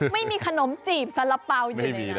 ไม่มีขนมจีบสารเป๋าอยู่ในนั้น